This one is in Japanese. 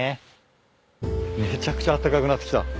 めちゃくちゃあったかくなってきた。